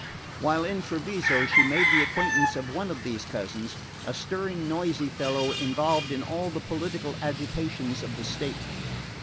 While in Treviso she had made the acquaintance of one of these cousins, a stirring noisy fellow involved in all the political agitations of the state.